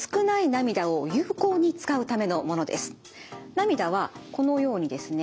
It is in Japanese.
涙はこのようにですね